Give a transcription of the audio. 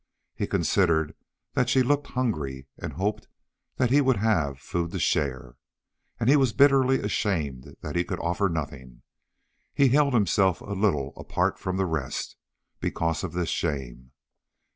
He considered that she looked hungry and hoped that he would have food to share. And he was bitterly ashamed that he could offer nothing. He held himself a little apart from the rest, because of his shame.